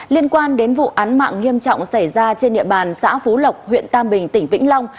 liên quan đến vụ án mạng nghiêm trọng xảy ra trên địa bàn xã phú lộc huyện tam bình tỉnh vĩnh long